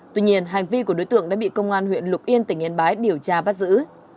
tuy nhiên hành vi của đối tượng đã bị công an huyện lục yên tỉnh yên bái điều tra bắt giữ